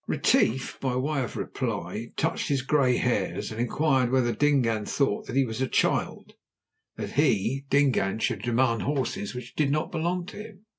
Retief, by way of reply, touched his grey hairs, and inquired whether Dingaan thought that he was a child that he, Dingaan, should demand horses which did not belong to him.